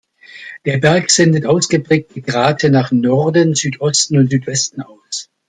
Der Berg sendet ausgeprägte Grate nach Norden, Südosten und Südwesten aus.